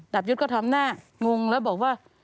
ยุทธ์ก็ทำหน้างงแล้วบอกว่า